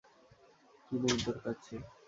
কি নেই তোর কাছে?